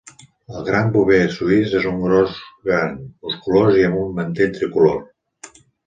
El Gran bover suís és un gos gran, musculós i amb un mantell tricolor.